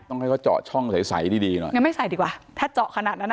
ต้องให้เขาเจาะช่องใสใสดีดีหน่อยยังไม่ใส่ดีกว่าถ้าเจาะขนาดนั้นอ่ะ